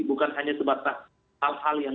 bukan hanya sebatas hal hal yang